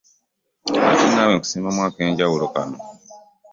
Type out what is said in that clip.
Ate naawe nkusiimamu ak'enjawulo kano.